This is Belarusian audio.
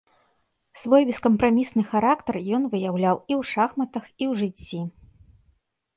Свой бескампрамісны характар ён выяўляў і ў шахматах, і ў жыцці.